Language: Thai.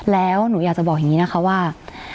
แล้วหนูอยากจะบอกอย่างนี้นะคะว่า